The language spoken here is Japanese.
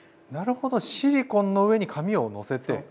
なるほどシリコンの上に紙をのせて。